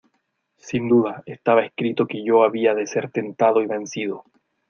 sin duda estaba escrito que yo había de ser tentado y vencido.